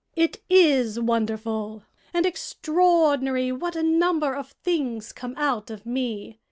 It is wonderful and extraordinary what a number of things come out of me.